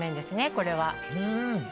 これは。